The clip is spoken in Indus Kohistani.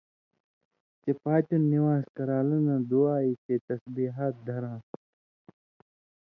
چے پاتیوں نِوان٘ز کران٘لہ نہ دُعا یی تے تسبیحات دھراں،